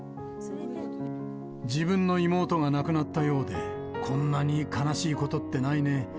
自分の妹が亡くなったようで、こんなに悲しいことってないね。